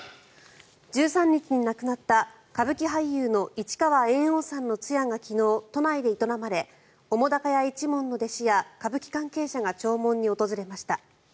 １３日に亡くなった歌舞伎俳優の市川猿翁さんの通夜が昨日都内で営まれ澤瀉屋一門の弟子や歌舞伎関係者が弔問に訪れました。